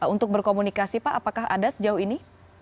untuk berkomunikasi pak apakah ada sejauh ini